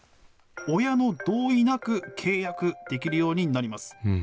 親の同意なく契約できるようになります。